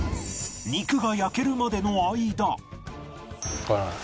肉が焼けるまでの間